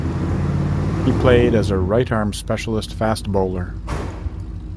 He played as a right-arm specialist fast bowler.